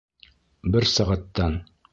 Бер сәғәттән!..